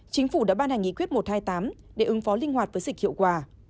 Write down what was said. chính phủ đã ban hành nghị quyết một trăm hai mươi tám để ứng phó linh hoạt với dịch hiệu quả